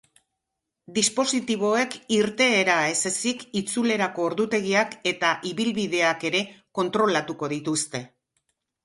Dispositiboek irteera ez ezik itzulerako ordutegiak eta ibilbideak ere kontrolatuko dituzte.